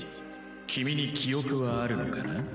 君に記憶はあるのかな？